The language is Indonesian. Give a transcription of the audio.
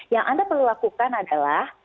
yang anda perlu lakukan adalah